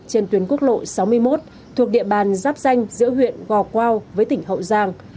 trên tuyến quốc lộ sáu mươi một thuộc địa bàn giáp danh giữa huyện gò quao với tỉnh hậu giang